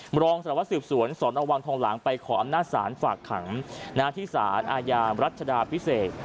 มรองศาวะสืบสวนสอนเอาวางทองหลังไปขออำนาจศาลฝากขังนาธิษศาลอาญารัชดาพิเศษ